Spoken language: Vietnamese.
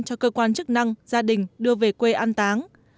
cho cơ quan chức năng gia đình đưa về quê ăn táng